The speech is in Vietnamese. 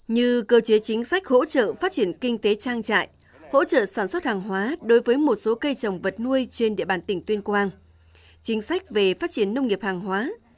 như cơ chế chính sách hỗ trợ phát triển kinh tế trang trại hỗ trợ sản xuất hàng hóa đối với một số cây trồng vật nuôi trên địa bàn tỉnh tuyên quang chính sách về phát triển nông nghiệp hàng hóa